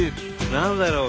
何だろう？